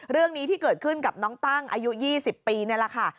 เรื่องนี้ที่เกิดขึ้นกับน้องตั้งอายุ๒๐ปีนี่แหละค่ะ